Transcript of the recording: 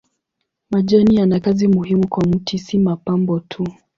Majani yana kazi muhimu kwa mti si mapambo tu.